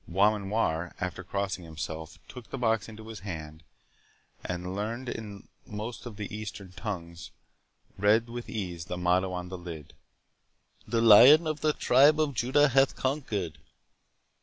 Beaumanoir, after crossing himself, took the box into his hand, and, learned in most of the Eastern tongues, read with ease the motto on the lid,—"The Lion of the tribe of Judah hath conquered."